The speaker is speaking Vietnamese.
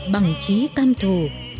bằng trí cam thù